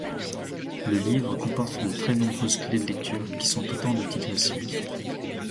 Le livre comporte de très nombreuses clés de lecture qui sont autant de digressions.